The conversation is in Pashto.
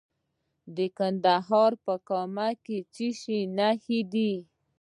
د ننګرهار په کامه کې د څه شي نښې دي؟